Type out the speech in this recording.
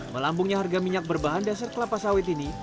melambungnya harga minyak berbahan dasar kelapa sawit ini